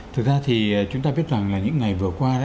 thực ra thì chúng ta biết rằng là những ngày vừa qua